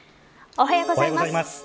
おはようございます。